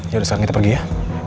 yaudah sekarang kita pergi ya